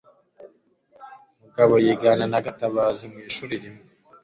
mugabo yigana na gatabazi mu ishuri rimwe